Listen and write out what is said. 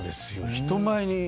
人前に。